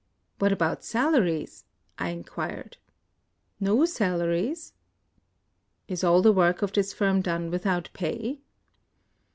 " What about salaries ?" I inquired. " No salaries." "Is all the work of this firm done without pay?"